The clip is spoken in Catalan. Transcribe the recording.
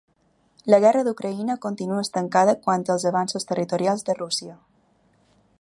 La guerra d’Ucraïna continua estancada quant als avanços territorials de Rússia.